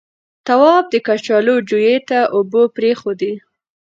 تواب د کچالو جويې ته اوبه پرېښودې.